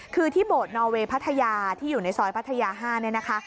คือที่โบสถนอเวย์พัทยาที่อยู่ในซอยพัทยา๕เนี่ยนะคะ